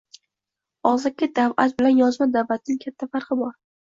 Og‘zaki da’vat bilan yozma da’vatning katta farqi bor.